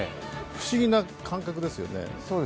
不思議な感覚ですよね。